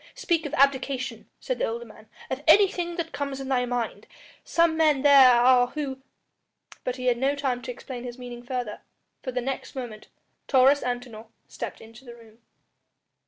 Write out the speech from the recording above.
"Speak of abdication," said the older man, "of anything that comes in thy mind. Some men there are who " But he had no time to explain his meaning further, for the next moment Taurus Antinor stepped into the room.